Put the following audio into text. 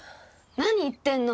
何言ってんの！